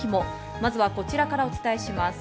まずは、こちらからお伝えします。